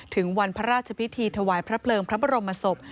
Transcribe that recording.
ถึงวันพระราชพิธีถวายพระเพลิงพระบรมศพ